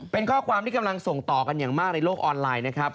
เป็นข้อความที่กำลังส่งต่อกันอย่างมากในโลกออนไลน์นะครับ